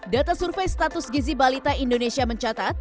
data survei status gizi balita indonesia mencatat